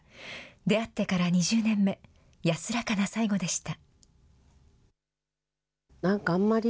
出会ってから２０年目、安らかな最期でした。